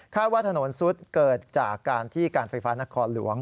ว่าถนนซุดเกิดจากการที่การไฟฟ้านครหลวง